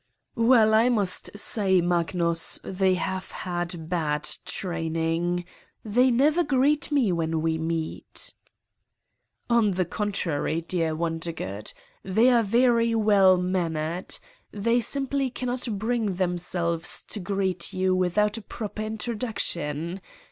"Well, I must say, Magnus, they have had bad training. They never greet me when we meet." 1 ' On the contrary, dear Wondergood ! They are very well mannered. They simply cannot bring themselves to greet you without a proper intro duction.